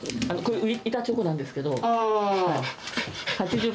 板チョコなんですけど。